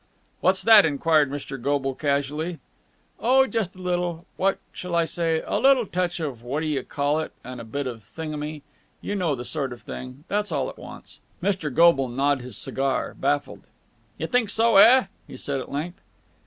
"What's that?" enquired Mr. Goble casually. "Oh, just a little ... what shall I say? ... a little touch of what d'you call it and a bit of thingummy. You know the sort of thing! That's all it wants." Mr. Goble gnawed his cigar, baffled. "You think so, eh?" he said at length.